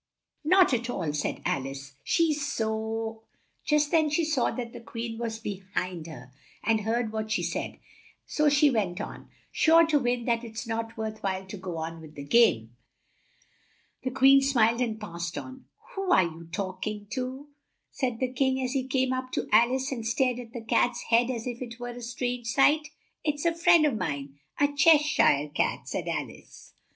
"Not at all," said Al ice, "she's so " Just then she saw that the Queen was be hind her and heard what she said; so she went on, "sure to win that it's not worth while to go on with the game." The Queen smiled and passed on. "Who are you talk ing to?" said the King, as he came up to Al ice and stared at the Cat's head as if it were a strange sight. "It's a friend of mine a Che shire Cat," said Al ice.